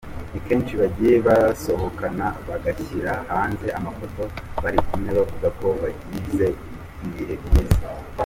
Ni kenshi bagiye basohokana bagashyira hanze amafoto bari kumwe bavuga ko bagize ibihe byiza.